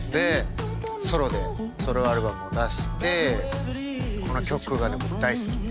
ソロでソロアルバムを出してこの曲が僕大好きで。